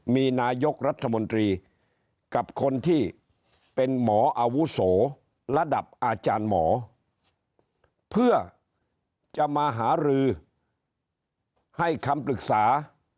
มีนายกรัฐมนตรีกับคนที่เป็นหมออาวุโสระดับอาจารย์หมอเพื่อจะมาหารือให้คำปรึกษา